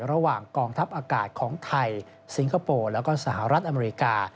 ระหว่างกองทัพอากาศของไทยสิงคโปร์แล้วก็สหรัฐอเมริกา